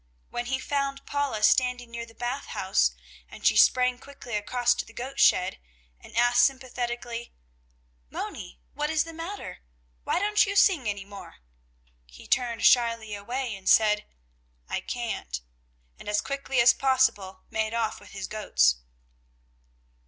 When he found Paula standing near the Bath House, and she sprang quickly across to the goat shed and asked sympathetically: "Moni, what is the matter? Why don't you sing any more?" he turned shyly away and said: "I can't," and as quickly as possible made off with his goats.